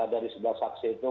dari sebelas saksi itu